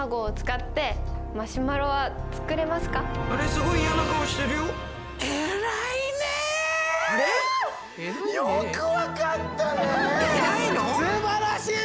すばらしい！